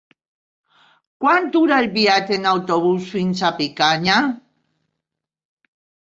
Quant dura el viatge en autobús fins a Picanya?